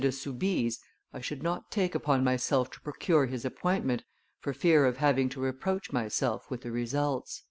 de Soubise, I should not take upon myself to procure his appointment, for fear of having to reproach myself with the results."